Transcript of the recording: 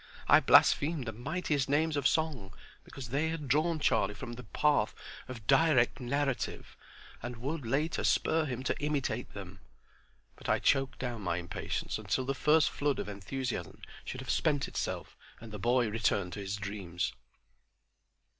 I blasphemed the mightiest names of song because they had drawn Charlie from the path of direct narrative, and would, later, spur him to imitate them; but I choked down my impatience until the first flood of enthusiasm should have spent itself and the boy returned to his dreams.